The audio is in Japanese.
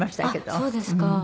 そうですか。